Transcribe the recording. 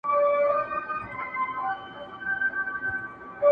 تر قیامته ورته نه سم ټینګېدلای!!